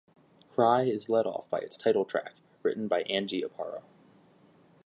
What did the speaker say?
"Cry" is led off by its title track, written by Angie Aparo.